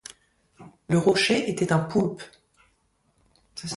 Le rocher était un poulpe.